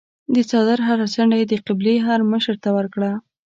د څادر هره څنډه یې د قبیلې هرمشر ته ورکړه.